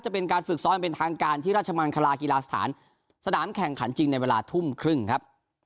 เป็นการฝึกซ้อมเป็นทางการที่ราชมังคลากีฬาสถานสนามแข่งขันจริงในเวลาทุ่มครึ่งครับ